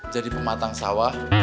jadi pematang sawah